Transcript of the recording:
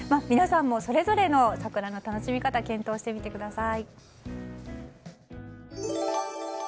皆さんもそれぞれの桜の楽しみ方を検討してみてください。